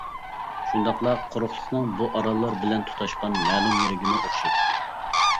شۇنداقلا قۇرۇقلۇقنىڭ بۇ ئاراللار بىلەن تۇتاشقان مەلۇم يېرىگىمۇ ئوخشايتتى.